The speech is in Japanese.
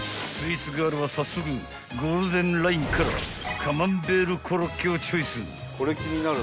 ［早速ゴールデンラインからカマンベールコロッケをチョイス］